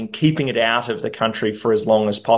untuk menjaga keadaan di luar negara